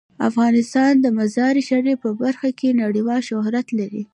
افغانستان د مزارشریف په برخه کې نړیوال شهرت لري.